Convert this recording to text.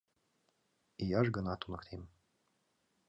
— Ияш гына туныктем.